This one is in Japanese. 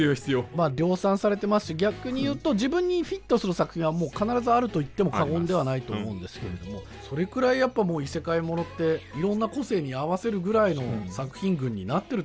まあ量産されてますし逆に言うと自分にフィットする作品は必ずあるといっても過言ではないとは思うんですけれどもそれくらい異世界モノっていろんな個性に合わせるぐらいの作品群になってるってことですもんね。